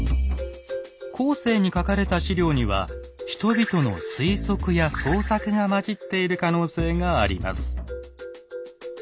後世に書かれた史料には人々の推測や創作が混じっている可能性があります。